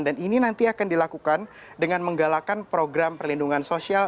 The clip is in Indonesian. dan ini nanti akan dilakukan dengan menggalakkan program perlindungan sosial